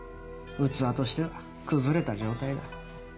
器としては崩れた状態だ。